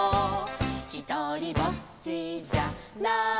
「ひとりぼっちじゃないさ」